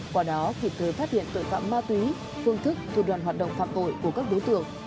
qua đó kịp thời phát hiện tội phạm ma túy phương thức thủ đoàn hoạt động phạm tội của các đối tượng